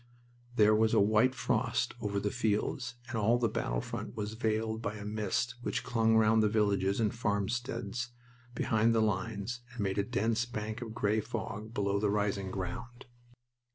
There was a white frost over the fields, and all the battle front was veiled by a mist which clung round the villages and farmsteads behind the lines and made a dense bank of gray fog below the rising ground.